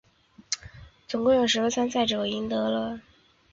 总共有十个参赛者赢得了数目不等的奖金。